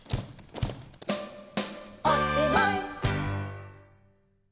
「おしまい！」